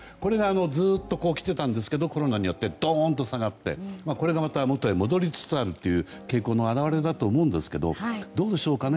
ずっと来てたんですけどコロナによってどんと下がってこれがまた元に戻りつつあるという傾向の表れだと思いますがどうでしょうかね。